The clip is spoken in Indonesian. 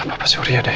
bapak surya deh